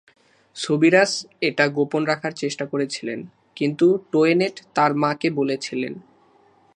সোবিরাস এটা গোপন রাখার চেষ্টা করেছিলেন, কিন্তু টোয়েনেট তার মাকে বলেছিলেন।